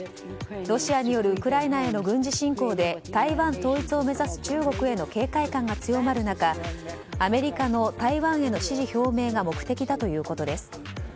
ロシアによるウクライナへの軍事侵攻で台湾統一を目指す中国への警戒感が強まる中アメリカの台湾への支持表明が目的だということです。